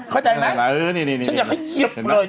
เข้าใจไหมฉันอยากให้เหยียบเลย